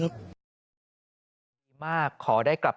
ปี๖๕วันเช่นเดียวกัน